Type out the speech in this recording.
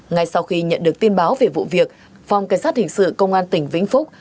ngay sau khi nhận được tin báo về vụ việc phòng cảnh sát hình sự công an tỉnh vĩnh phúc